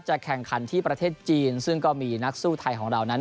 แข่งขันที่ประเทศจีนซึ่งก็มีนักสู้ไทยของเรานั้น